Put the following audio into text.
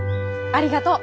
ありがとう。